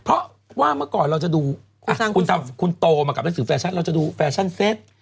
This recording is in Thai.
เพราะว่าเมื่อก่อนเราจะดูคุณทำคุณโตมากับหนังสือแฟชั่นเราจะดูแฟชั่นเซ็ต